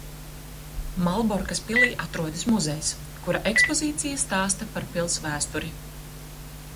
Malborkas pilī atrodas muzejs, kura ekspozīcija stāsta par pils vēsturi.